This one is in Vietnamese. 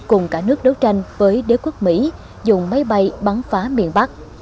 cùng cả nước đấu tranh với đế quốc mỹ dùng máy bay bắn phá miền bắc